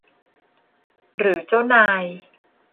หรือเจ้านาย